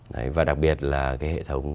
đấy và đặc biệt là cái hệ thống này